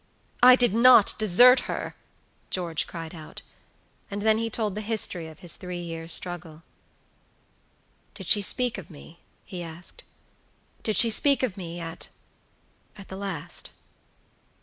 "I did not desert her," George cried out; and then he told the history of his three years' struggle. "Did she speak of me?" he asked; "did she speak of meatat the last?"